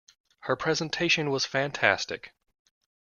Her presentation was fantastic!